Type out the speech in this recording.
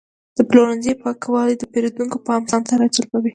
د پلورنځي پاکوالی د پیرودونکو پام ځان ته راجلبوي.